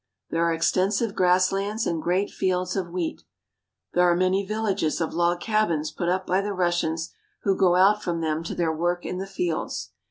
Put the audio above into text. There are extensive grass lands and great fields of wheat. There are many villages of log cabins put up by the Russians who go out from them to their work in the fields.